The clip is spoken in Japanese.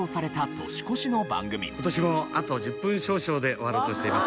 今年もあと１０分少々で終わろうとしています。